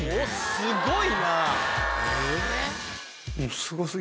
すごいな。